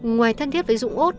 ngoài thân thiết với dũng út